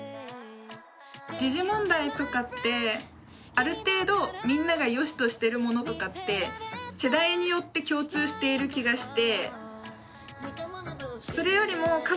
時事問題とかってある程度みんながよしとしてるものとかって世代によって共通している気がして。